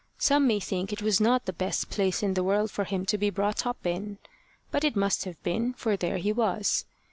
Some may think it was not the best place in the world for him to be brought up in; but it must have been, for there he was.